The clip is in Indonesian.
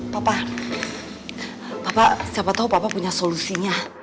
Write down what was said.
papa papa siapa tau papa punya solusinya